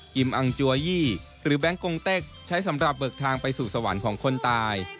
ิมอังจัวยี่หรือแบงคกงเต็กใช้สำหรับเบิกทางไปสู่สวรรค์ของคนตาย